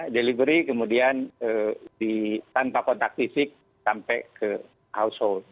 delivery kemudian tanpa kontak fisik sampai ke household